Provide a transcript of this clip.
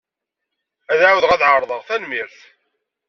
Ad ɛawdeɣ ad ɛerḍeɣ, tanemmirt.